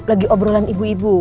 lagi obrolan ibu ibu